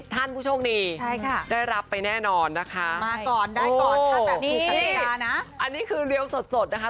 ๑๐ท่านผู้โชคนี้ได้รับไปแน่นอนนะคะโอ้โฮนี่อันนี้คือเรียวสดนะคะ